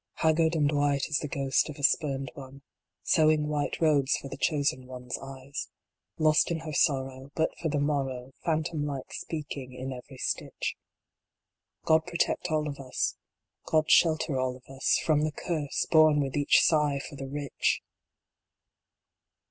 Haggard and white as the ghost of a Spurned One, Sewing white robes for the Chosen One s eyes Lost in her sorrow, But for the morrow Phantom like speaking in every stitch God protect all of us God shelter all of us From the Curse, born with each sigh for the Rich